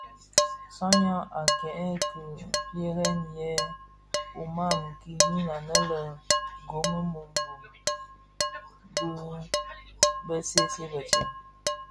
Sanan a kèn ki pierè yè ùman kinin anë le Ngom gum gum bi bësèè bëtsem.